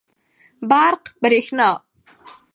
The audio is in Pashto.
برق √ بريښنا